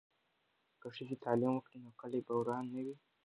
که ښځې تعلیم وکړي نو کلي به وران نه وي.